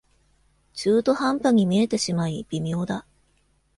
中途半端に見えてしまい微妙だ